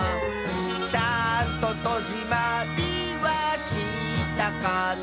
「ちゃんととじまりはしたかな」